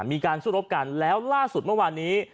มีการสู้รบกันแล้วล่าสุดเมื่อวานนี้